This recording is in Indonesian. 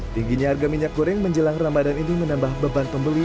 tingginya harga minyak goreng menjelang ramadan ini menambah beban pembeli